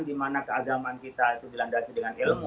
dimana keagaman kita dilandasi dengan ilmu